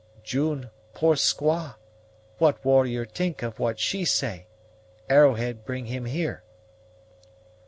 _" "June, poor squaw. What warrior t'ink of what she say? Arrowhead bring him here."